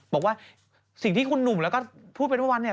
บอกว่าสิ่งที่คุณหนุ่มแล้วก็พูดเป็นเมื่อวาน